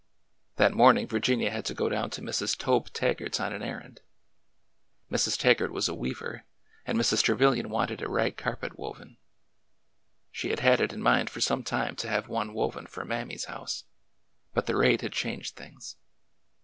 That morning, Virginia had to go down to Mrs. Tobe Taggart's on an errand. Mrs. Taggart was a weaver, and Mrs. Trevilian wanted a rag carpet woven. She had had it in mind for some time to have one woven for Mammy's house, but the raid had changed things.